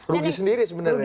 rugi sendiri sebenarnya ya